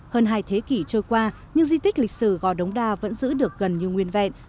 hơn hai thế kỷ trôi qua nhưng di tích lịch sử gò đống đa vẫn giữ được gần như nguyên vẹn